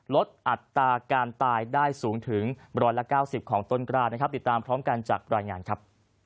อัตราการตายได้สูงถึง๑๙๐ของต้นกล้านะครับติดตามพร้อมกันจากรายงานครับ